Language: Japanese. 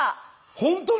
本当に！？